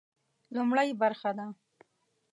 لومړۍ برخه ده.